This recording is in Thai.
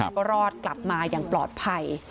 ก็รอดกลับมาอย่างปลอดภัย